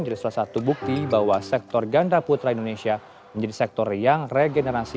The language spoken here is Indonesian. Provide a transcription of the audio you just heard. menjadi salah satu bukti bahwa sektor ganda putra indonesia menjadi sektor yang regenerasi